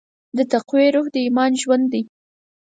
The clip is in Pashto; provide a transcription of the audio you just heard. د تقوی روح د ایمان ژوند دی.